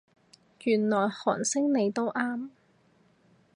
原來韓星你都啱